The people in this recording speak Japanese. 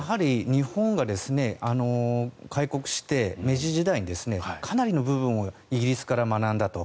日本が開国して明治時代に、かなりの部分をイギリスから学んだと。